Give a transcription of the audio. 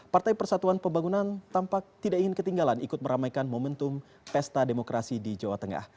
partai persatuan pembangunan tampak tidak ingin ketinggalan ikut meramaikan momentum pesta demokrasi di jawa tengah